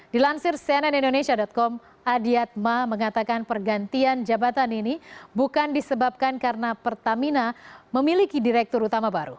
dilansir cnn indonesia com adiatma mengatakan pergantian jabatan ini bukan disebabkan karena pertamina memiliki direktur utama baru